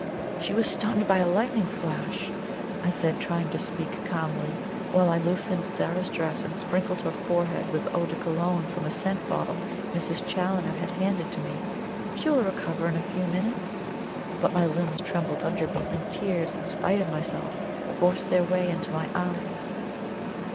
"She has been stunned by a lightning flash," I said, trying to speak calmly, while I loosened Zara's dress and sprinkled her forehead with eau de Cologne from a scent bottle Mrs. Challoner had handed to me. "She will recover in a few minutes." But my limbs trembled under me, and tears, in spite of myself, forced their way into my eyes.